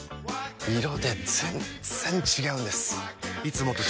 色で全然違うんです！